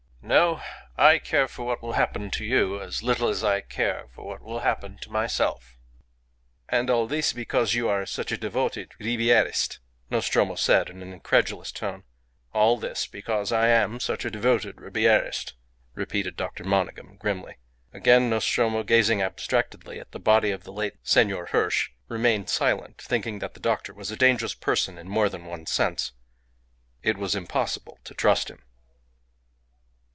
"No; I care for what will happen to you as little as I care for what will happen to myself." "And all this because you are such a devoted Ribierist?" Nostromo said in an incredulous tone. "All this because I am such a devoted Ribierist," repeated Dr. Monygham, grimly. Again Nostromo, gazing abstractedly at the body of the late Senor Hirsch, remained silent, thinking that the doctor was a dangerous person in more than one sense. It was impossible to trust him.